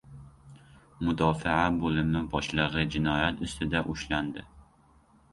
Mudofaa bo‘limi boshlig‘i jinoyat ustida ushlandi